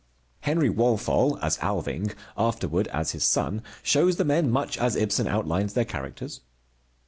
Henry Walthall as Alving, afterward as his son, shows the men much as Ibsen outlines their characters.